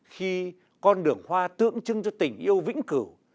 khi con đường hoa tượng trưng cho tình yêu vĩnh cửu